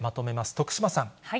徳島さん。